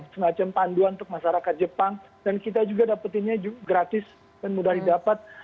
semacam panduan untuk masyarakat jepang dan kita juga dapetinnya gratis dan mudah didapat